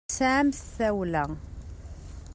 Tesɛamt tawla.